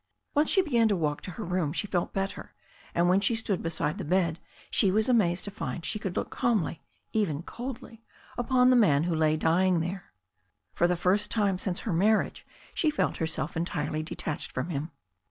^ Once she began to walk to her room she felt better, and when she stood beside her bed she was amazed to find she could look calmly, even coldly, upon the man who lay dying there. For the first time since her marriage she felt herself en tirely detached from him.